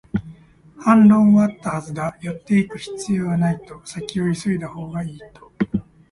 反論はあったはずだ、寄っていく必要はないと、先を急いだほうがいいと